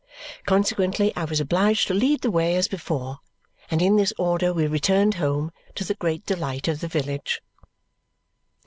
Consequently I was obliged to lead the way, as before; and in this order we returned home, to the great delight of the village.